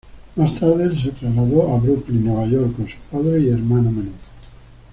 Más tarde se trasladó a Brooklyn, Nueva York con sus padres y hermano menor.